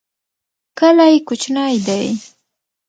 کلی کوچنی دی.